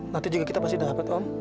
nanti juga kita pasti dapat om